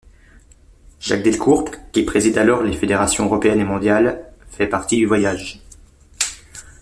Jacques Delcourt, qui préside alors les fédérations européenne et mondiale, fait partie du voyage.